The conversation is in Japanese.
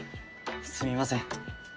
すみません。